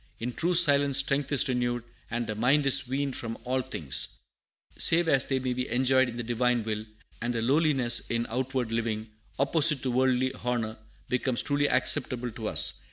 In true silence strength is renewed, and the mind is weaned from all things, save as they may be enjoyed in the Divine will; and a lowliness in outward living, opposite to worldly honor, becomes truly acceptable to us.